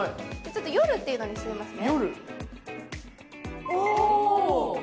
夜というのにしてみますね。